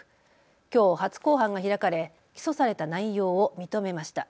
きょう初公判が開かれ起訴された内容を認めました。